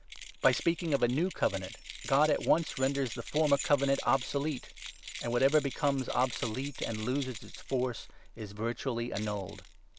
' By speaking of a 'new' Covenant, God at once renders the 13 former Covenant obsolete ; and whatever becomes obsolete and loses its force is virtually annulled.